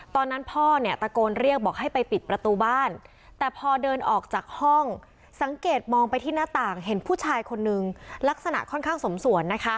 ตอนนั้นพ่อเนี่ยตะโกนเรียกบอกให้ไปปิดประตูบ้านแต่พอเดินออกจากห้องสังเกตมองไปที่หน้าต่างเห็นผู้ชายคนนึงลักษณะค่อนข้างสมสวนนะคะ